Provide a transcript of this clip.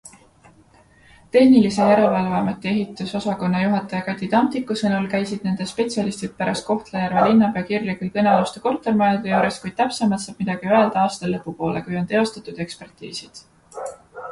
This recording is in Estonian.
Tehnilise Järelevalve Ameti ehitusosakonna juhataja Kati Tamtiku sõnul käisid nende spetsialistid pärast Kohtla-Järve linnapea kirja küll kõnealuste kortermajade juures, kuid täpsemalt saab midagi öelda aasta lõpupoole, kui on teostatud ekspertiisid.